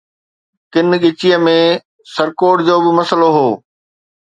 ڪن ڳچيءَ ۾ سرڪوڊ جو به مسئلو هو.